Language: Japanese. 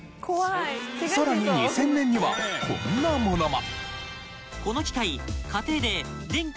さらに２０００年にはこんなものも。